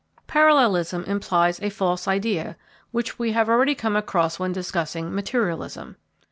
Parallelism implies a false idea, which we have already come across when discussing materialism.